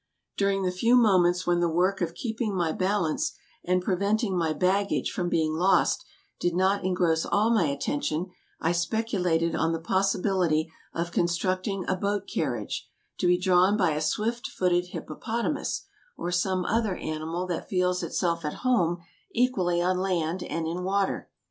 During the few moments when the work of keeping my bal ance and preventing my baggage from being lost did not engross all my attention, I speculated on the possibility of constructing a boat carriage, to be drawn by a swift footed hippopotamus, or some other animal that feels itself at home equally on land and in water.